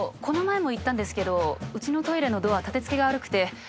この前も言ったんですけどうちのトイレのドア立て付けが悪くて。